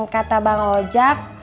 kata bang ojak